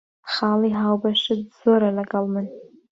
خاڵی هاوبەشت زۆرە لەگەڵ من.